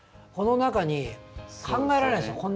この中に考えられないですよ